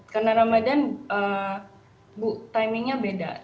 karena ramadhan timingnya beda